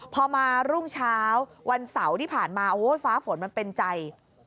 พอมารุ่งเช้าวันเสาร์ที่ผ่านมาโอ้ฟ้าฝนมันเป็นใจ